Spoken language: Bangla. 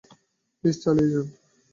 প্লিজ চালিয়ে যান।